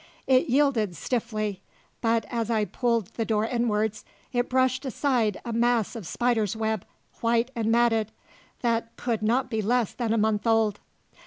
It yielded stiffly; but as I pulled the door inwards it brushed aside a mass of spider's web, white and matted, that could not be less than a month old.